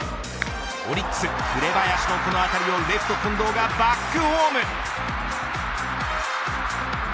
オリックス、紅林のこの当たりをレフト近藤がバックホーム。